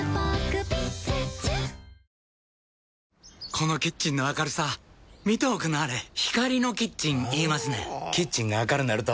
このキッチンの明るさ見ておくんなはれ光のキッチン言いますねんほぉキッチンが明るなると・・・